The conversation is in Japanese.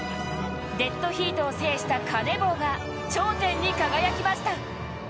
デッドヒートを制した鐘紡が頂点に輝きました。